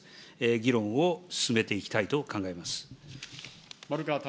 議論を進めていきたいと考えます。